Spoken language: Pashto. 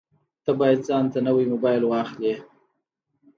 ته باید ځانته نوی مبایل واخلې